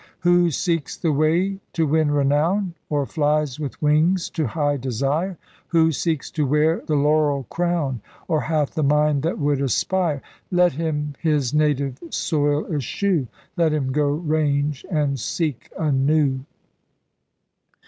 Who seeks the way to win renown, Or flies with wings to high desire. Who seeks to wear the laurel crown, Or hath the mind that would aspire — Let him his native soil eschew, Let him go range and seek a new.